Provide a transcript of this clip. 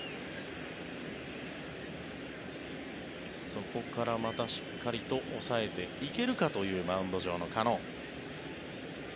そこから、またしっかりと抑えていけるかというマウンド上のカノ。